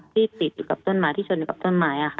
ติดอยู่กับต้นไม้ที่ชนอยู่กับต้นไม้